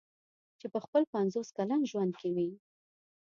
چې په خپل پنځوس کلن ژوند کې مې.